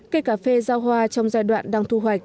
cây cà phê giao hoa trong giai đoạn đang thu hoạch